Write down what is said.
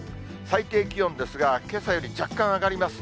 最低気温ですが、けさより若干上がります。